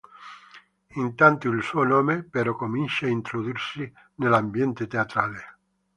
Intanto il suo nome, però comincia a introdursi nell'ambiente teatrale.